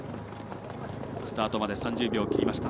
スタートまで３０秒切りました。